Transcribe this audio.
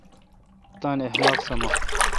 تان اخلاق سامہ۔